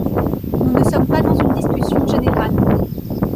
Nous ne sommes pas dans une discussion générale